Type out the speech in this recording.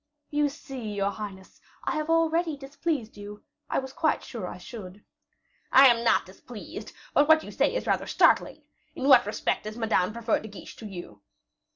"You see, your highness, I have already displeased you; I was quite sure I should." "I am not displeased; but what you say is rather startling. In what respect does Madame prefer De Guiche to you?"